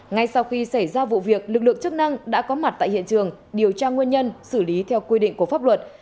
ngay sau khi xảy ra vụ việc lực lượng chức năng đã có mặt tại hiện trường điều tra nguyên nhân xử lý theo quy định của pháp luật